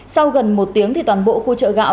sau gần một tiếng toàn bộ khu chợ gạo